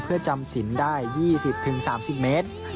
เพื่อจำสินได้๒๐๓๐เมตร